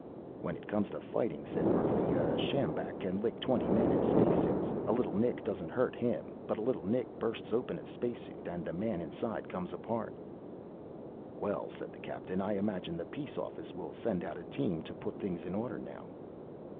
"When it comes to fighting," said Murphy, "a sjambak can lick twenty men in space suits. A little nick doesn't hurt him, but a little nick bursts open a space suit, and the man inside comes apart." "Well," said the Captain. "I imagine the Peace Office will send out a team to put things in order now."